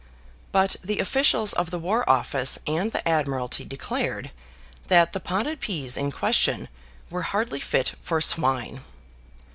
But the officials of the War Office and the Admiralty declared that the potted peas in question were hardly fit for swine.